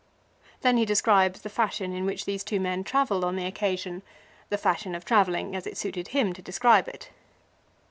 2 Then he describes the fashion in which these two men travelled on the occasion, the fashion of travelling as it suited him to describe it.